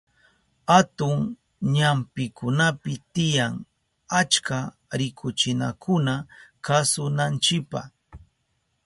Atun ñampikunapi tiyan achka rikuchinakuna kasunanchipa.